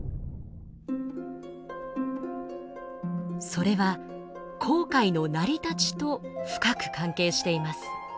それは紅海の成り立ちと深く関係しています。